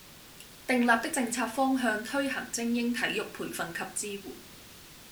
訂立的政策方向推行精英體育培訓及支援